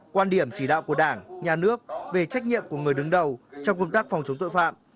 quan điểm chỉ đạo của đảng nhà nước về trách nhiệm của người đứng đầu trong công tác phòng chống tội phạm